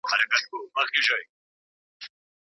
د سوسياليستانو فکر ناسم دی.